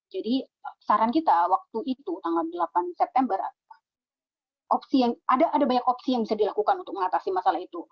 jadi saran kita waktu itu tanggal delapan september ada banyak opsi yang bisa dilakukan untuk mengatasi masalah itu